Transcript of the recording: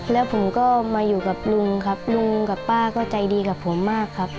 แล้วผมก็มาอยู่กับลุงครับลุงกับป้าก็ใจดีกับผมมากครับ